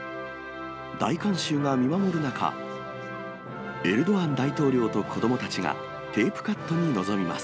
大観衆が見守る中、エルドアン大統領と子どもたちがテープカットに臨みます。